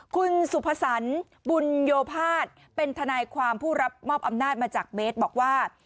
คุณสุภสรรบุญโยภาษเป็นทนายความผู้รับมอบอำนาจมาจากเบสบอกว่า